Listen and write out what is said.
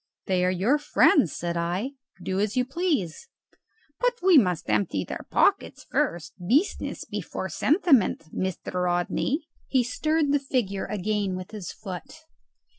"They are your friends," said I; "do as you please." "But we must empty their pockets first. Business before sentiment, Mr. Rodney." He stirred the figure again with his foot.